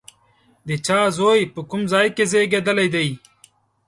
د چا زوی، په کوم ځای کې زېږېدلی دی؟